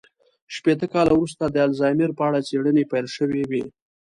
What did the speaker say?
شپېته کاله وروسته د الزایمر په اړه څېړنې پيل شوې وې.